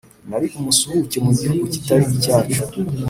Nari umusuhuke mu gihugu kitari icyacu